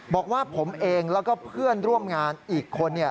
บอกว่าผมเองแล้วก็เพื่อนร่วมงานอีกคน